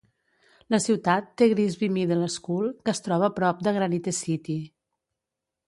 La ciutat té Grigsby Middle School, que es troba a prop de Granite City.